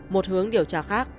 một hướng điều tra khác